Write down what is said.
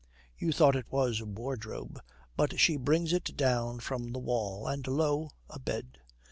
You thought it was a wardrobe, but she brings it down from the wall; and lo, a bed.